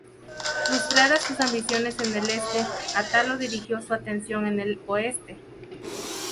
Frustradas sus ambiciones en el Este, Atalo dirigió su atención en el Oeste.